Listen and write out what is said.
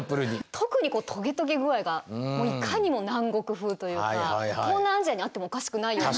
特にこうトゲトゲ具合がもういかにも南国風というか東南アジアにあってもおかしくないような。